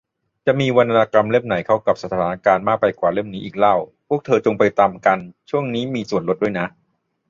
จะมีวรรณกรรมเล่มไหนเข้ากับสถานการณ์มากไปกว่าเล่มนี้อีกเล่า พวกเธอว์จงไปตำกัน ช่วงนี้มีส่วนลดด้วยนะ